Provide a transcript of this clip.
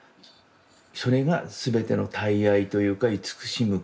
それが全ての大愛というか慈しむ心。